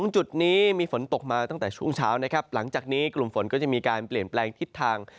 จุดนี้มีฝนตกมาตั้งแต่ช่วงเช้านะครับหลังจากนี้กลุ่มฝนก็จะมีการเปลี่ยนแปลงทิศทาง